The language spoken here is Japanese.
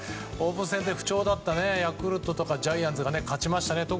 オープン戦で不調だったヤクルトとかジャイアンツが勝ちましたね。